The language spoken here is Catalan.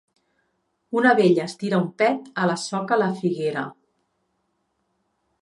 Una vella es tira un pet a la soca la figuera.